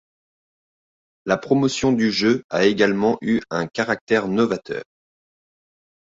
La promotion du jeu a également eu un caractère novateur.